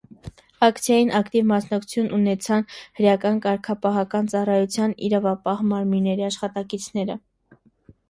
Ակցիային ակտիվ մասնակցություն ունեցան հրեական կարգապահական ծառայության իրավապահ մարմինների աշխատակիցները։